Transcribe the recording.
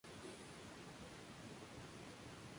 Su equipo ganó el bronce en esa Olimpiada.